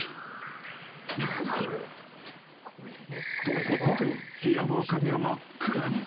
［とここで部屋の明かりが真っ暗に］